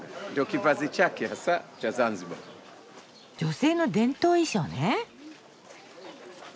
女性の伝統衣装ね。